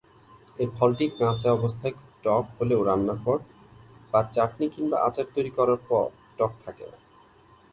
এ ফলটি কাঁচা অবস্থায় খুব টক হলেও রান্নার পর বা চাটনি কিংবা আচার তৈরি করার পর টক থাকে না।